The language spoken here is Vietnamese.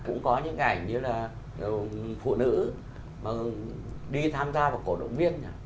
cũng có những cái ảnh như là phụ nữ mà đi tham gia vào cổ động viên